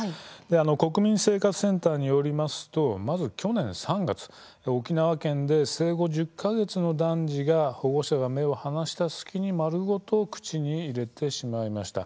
国民生活センターによりますとまず去年３月沖縄県で生後１０か月の男児が保護者が目を離した隙に丸ごと口に入れてしまいました。